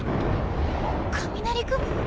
雷雲？